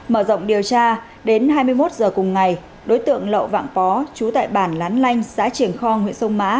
mở rộng điều tra đến hai mươi một h cùng ngày đối tượng lậu vạng pó chú tải bản lán lanh xã triềng khong huyện sông mã